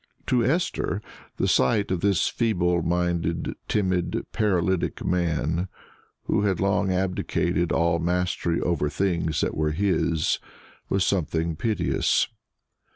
To Esther the sight of this feeble minded, timid, paralytic man, who had long abdicated all mastery over the things that were his, was something piteous.